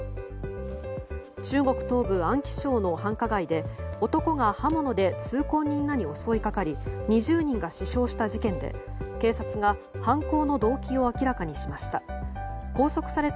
中国東部、安徽省の繁華街で男が刃物で通行人らに襲いかかり２０人が死傷した事件で警察が犯行の動機を明らかにしました。